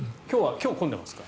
今日は混んでますか？